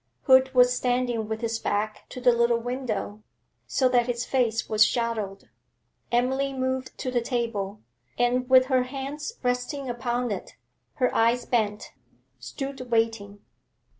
Hood was standing with his back to the little window, so that his face was shadowed. Emily moved to the table, and, with her hands resting upon it, her eyes bent, stood waiting.